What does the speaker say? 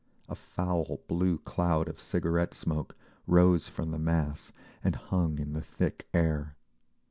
A foul blue cloud of cigarette smoke rose from the mass and hung in the thick air.